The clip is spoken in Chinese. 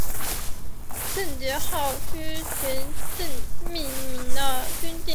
基德号驱逐舰命名的军舰。